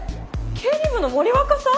経理部の森若さん？